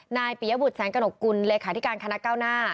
ปียบุตรแสงกระหนกกุลเลขาธิการคณะเก้าหน้า